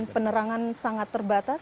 penerangan sangat terbatas